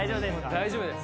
大丈夫です